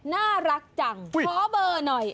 น่ารักจังขอเบอร์หน่อย